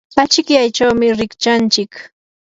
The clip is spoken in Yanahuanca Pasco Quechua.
achikyaychawmi rikchanchik.